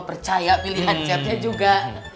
percaya pilihan catnya juga